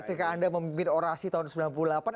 ketika anda memimpin orasi tahun sembilan puluh delapan